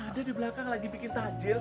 ada di belakang lagi bikin tajil